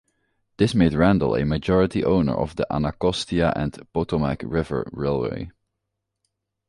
This made Randle a majority owner of the Anacostia and Potomac River Railway.